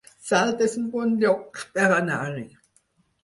Salt es un bon lloc per anar-hi